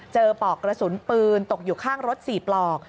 ปลอกกระสุนปืนตกอยู่ข้างรถ๔ปลอก